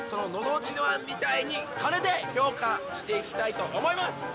自慢みたいに鐘で評価していきたいと思います。